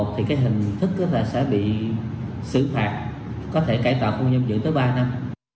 thì hình thức sẽ bị xử phạt có thể cải tạo không nhâm dựng tới ba năm